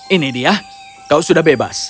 ini dia kau sudah bebas